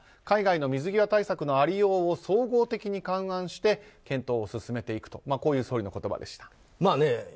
海外の水際対策の在りようを総合的に勘案して検討を進めていくとこういう総理の言葉でした。